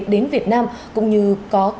đến việt nam cũng như có